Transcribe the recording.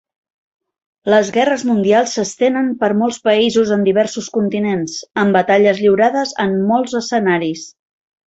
Les guerres mundials s'estenen per molts països en diversos continents, amb batalles lliurades en molts escenaris.